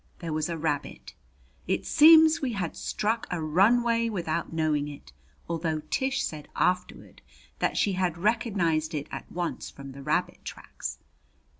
There was a rabbit! It seems we had struck a runway without knowing it, although Tish said afterward that she had recognized it at once from the rabbit tracks.